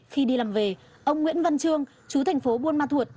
khi đi làm về ông nguyễn văn trương chú thành phố buôn ma thuột